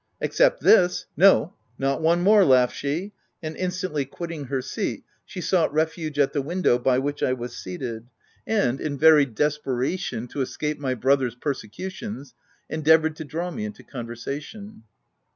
u Except this. — r " No, not one more !" laughed she, and in stantly quitting her seat, she sought refuge at the window by which I was seated, and, in very desperation, to escape my brother's persecutions, endeavoured to draw me into conversation.